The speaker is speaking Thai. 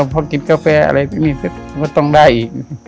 พอกินกาแฟอะไรตรงนี้ก็ต้องได้อีก